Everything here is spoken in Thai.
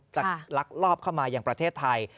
ลักลอบเข้ามาอย่างประเทศไทย